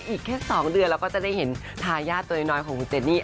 อีกแค่๒เดือนเราก็จะได้เห็นทายาทตัวน้อยของคุณเจนี่